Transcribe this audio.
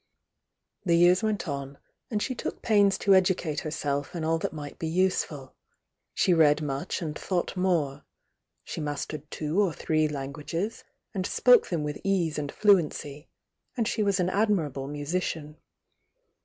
The years went on, and she took pains to educate herself in all that nu^t be useful,— she read much and thought more, —she mastered two or three languages, and spoke them with pose and fluency, and she was an admir aWe musician.